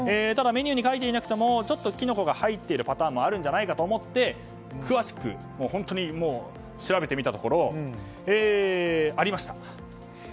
ただメニューに書いていなくてもちょっとキノコが入っているパターンもあるんじゃないかと思って詳しく本当に調べてみたところありました。